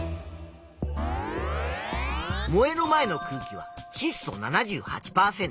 燃える前の空気はちっ素７８％